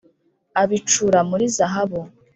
abicura muri zahabu